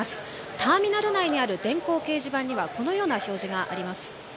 ターミナル内にある電光掲示板にはこのような表示があります。